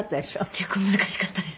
結構難しかったです。